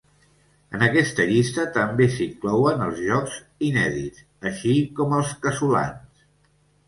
En aquesta llista també s'inclouen els jocs inèdits, així com els casolans.